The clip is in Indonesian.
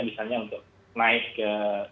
misalnya untuk naik ke